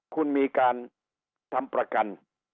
คุณมีการทำประกัน